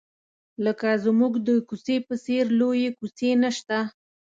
لکه زموږ د کوڅې په څېر لویې کوڅې نشته.